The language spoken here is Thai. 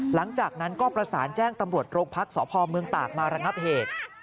หลังจากนั้นก็ประสานแจ้งตำรวจโรงพักษพเมืองตากมาระงับเหตุ